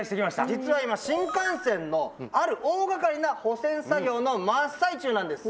実は今新幹線のある大がかりな保線作業の真っ最中なんです。